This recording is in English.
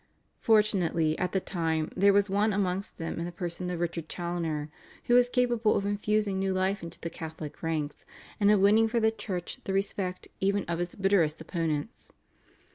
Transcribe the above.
Fortunately at the time there was one amongst them in the person of Richard Challoner, who was capable of infusing new life into the Catholic ranks and of winning for the Church the respect even of its bitterest opponents.